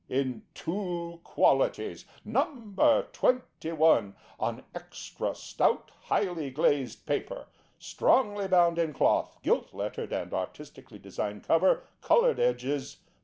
IN TWO QUALITIES. No. 21. On extra stout highly glazed paper, strongly bound in cloth, gilt lettered and artistically designed cover, coloured edges.